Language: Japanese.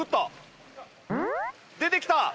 出てきた！